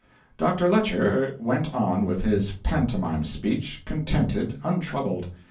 Dr. Lecher went on with his pantomime speech, contented, untroubled.